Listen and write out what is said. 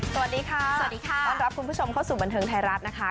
สวัสดีค่ะสวัสดีค่ะต้อนรับคุณผู้ชมเข้าสู่บันเทิงไทยรัฐนะคะ